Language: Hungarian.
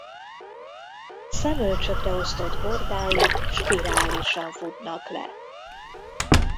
Szemölcsökre osztott bordái spirálisan futnak le.